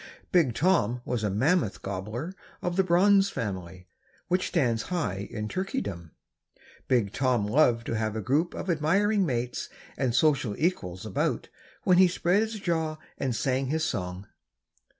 Big Tom was a mammoth gobbler of the bronze family, which stands high in Turkeydom. Big Tom loved to have a group of admiring mates and social equals about when he spread his jaw and sang his song.